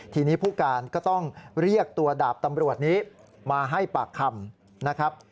ทีนี้ผู้การก็ต้องเรียกตัวดาบตำรวจนี้มาให้ปากคำนะครับ